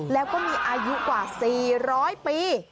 แล้วก็มีอายุกว่า๔๐๐ปี